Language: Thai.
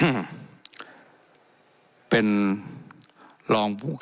และยังเป็นประธานกรรมการอีก